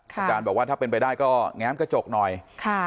อาจารย์บอกว่าถ้าเป็นไปได้ก็แง้มกระจกหน่อย